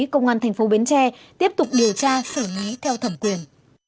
công an thành phố bến tre tiếp tục điều tra xử lý theo thẩm quyền